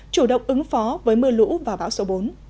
chủ động ứng phó với mưa lũ và bão số bốn